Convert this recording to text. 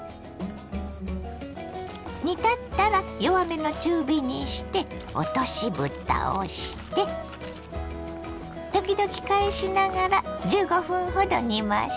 煮立ったら弱めの中火にして落としぶたをして時々返しながら１５分ほど煮ましょ。